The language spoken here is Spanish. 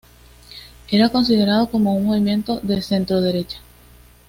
Era considerado como un movimiento de centroderecha.